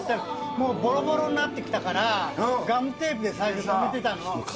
もうぼろぼろになってきたから、ガムテープで最初、留めてたの。